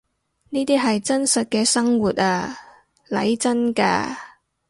呢啲係真實嘅生活呀，嚟真㗎